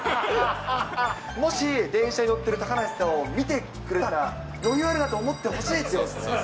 もし、電車に乗っている高梨さんを見てくれたら、余裕あるわと思ってほそうです。